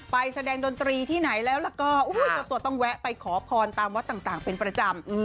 ไปแสดงดนตรีที่ไหนแล้วก็เจ้าตัวต้องแวะไปขอพรตามวัดต่างเป็นประจำ